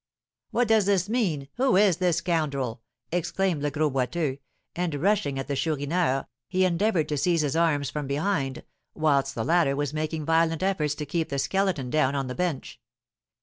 "What does this mean? Who is this scoundrel?" exclaimed Le Gros Boiteux, and, rushing at the Chourineur, he endeavoured to seize his arms from behind, whilst the latter was making violent efforts to keep the Skeleton down on the bench.